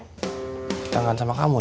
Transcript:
tetanggaan sama kamu ya